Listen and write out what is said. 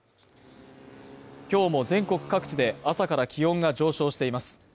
今日も全国各地で朝から気温が上昇しています